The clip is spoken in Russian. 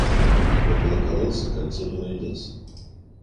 Около колодца кольцо не найдется.